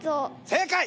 正解！